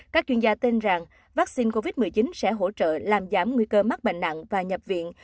các chuyên gia tin rằng vaccine covid một mươi chín sẽ hỗ trợ làm giảm nguy cơ mắc bệnh nặng và nhập viện